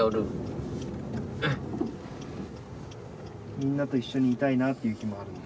みんなと一緒にいたいなという日もあるんだ？